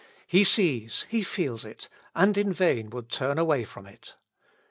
He sees, he feels it, and in vain would turn away from it.